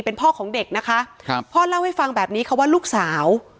เป็นพ่อของเด็กนะคะครับพ่อเล่าให้ฟังแบบนี้ค่ะว่าลูกสาว